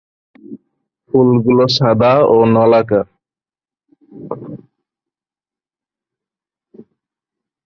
ফুলগুলো সাদা ও নলাকার।